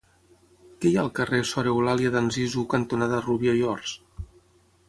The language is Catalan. Què hi ha al carrer Sor Eulàlia d'Anzizu cantonada Rubió i Ors?